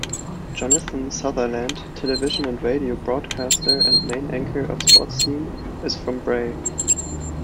Jonathan Sutherland, television and radio broadcaster and main anchor of Sportscene is from Brae.